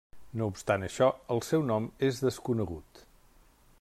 No obstant això, el seu nom és desconegut.